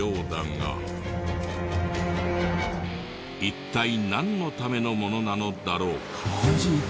一体なんのためのものなのだろうか？